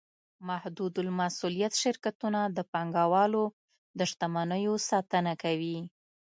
محدودالمسوولیت شرکتونه د پانګهوالو د شتمنیو ساتنه کوي.